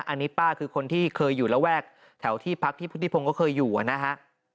อันนี้ป้าคือคนที่เคยอยู่ระแวกแถวที่พักที่พุทธิพงศ์ก็เคยอยู่นะฮะ